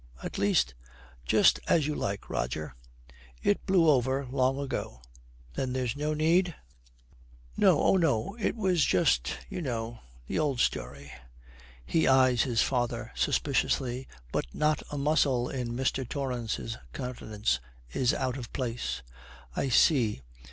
At least ' 'Just as you like, Roger.' 'It blew over long ago.' 'Then there's no need?' 'No oh no. It was just you know the old, old story.' He eyes his father suspiciously, but not a muscle in Mr. Torrance's countenance is out of place. 'I see.